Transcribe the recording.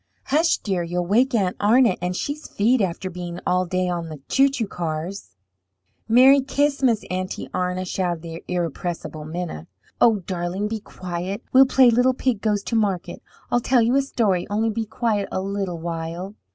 "Hush, dear! You'll wake Aunt Arna, and she's feed after being all day on the chou chou cars." "Merry Ch'is'mus, Aunty Arna!" shouted the irrepressible Minna. "Oh, darling, be quiet! We'll play little pig goes to market. I'll tell you a story, only be quiet a little while."